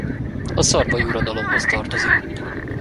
A szarvai uradalomhoz tartozik.